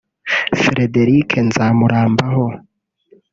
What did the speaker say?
Frederic Nzamurambaho